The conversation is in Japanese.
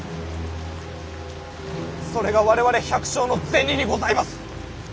それが我々百姓の銭にございます！